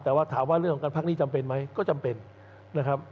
แต่ว่าถามว่าเรื่องของการพักนี้จำเป็นไหมก็จำเป็นนะครับ